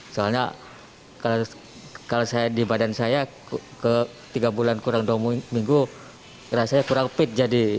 soalnya kalau saya di badan saya tiga bulan kurang dua minggu rasanya kurang fit jadi